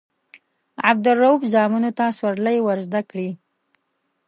عبدالروف زامنو ته سورلۍ ورزده کړي.